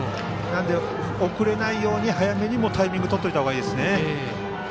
なので、遅れないように早めにタイミングをとったほうがいいですね。